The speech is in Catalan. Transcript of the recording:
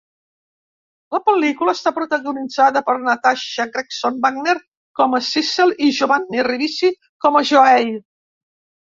La pel·lícula està protagonitzada per Natasha Gregson Wagner com a Sissel i Giovanni Ribisi com a Joey.